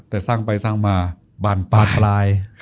แต่สร้างไปสร้างมาบานปลาย